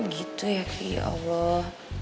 gitu ya ki ya allah